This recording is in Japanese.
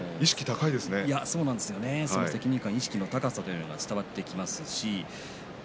責任感、意識の高さが伝わってきます。